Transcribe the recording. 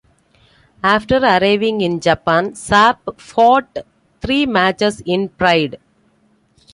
After arriving in Japan, Sapp fought three matches in Pride.